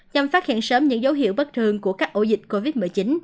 nhằm phát hiện sớm những dấu hiệu bất thường của các ổ dịch covid một mươi chín